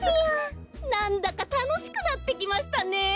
なんだかたのしくなってきましたねえ！